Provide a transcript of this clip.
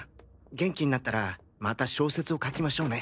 元気になったらまた小説を書きましょうね。